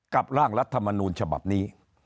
ร่างรัฐมนูลฉบับนี้